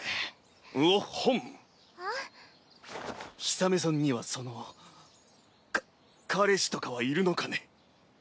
氷雨さんにはそのか彼氏とかはいるのかね？